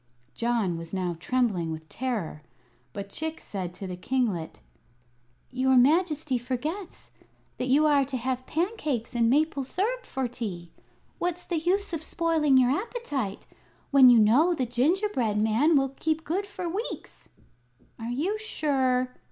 John was now trembling with terror; but Chick said to the kinglet: "Your Majesty forgets that you are to have pancakes and maple syrup for tea. What's the use of spoiling your appetite, when you know the gingerbread man will keep good for weeks?" "Are you sure?"